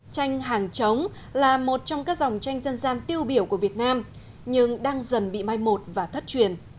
tranh hàng chống là một trong các dòng tranh dân gian tiêu biểu của việt nam nhưng đang dần bị mai một và thất truyền